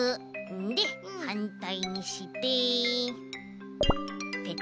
ではんたいにしてペトッ！